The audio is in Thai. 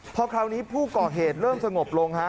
พอคราวนี้ผู้ก่อเหตุเริ่มสงบลงฮะ